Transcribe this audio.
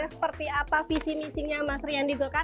kalau seperti apa visi visinya mas rian di golkar